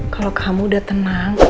kalau kamu udah tenang